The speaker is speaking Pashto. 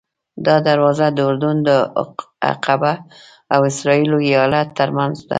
دا دروازه د اردن د عقبه او اسرائیلو ایلات ترمنځ ده.